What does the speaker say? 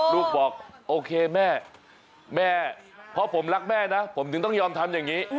ลูกบอกโอเคแม่แม่เพราะผมรักแม่นะผมถึงต้องยอมทำอย่างนี้